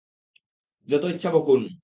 যত ইচ্ছা বকুন।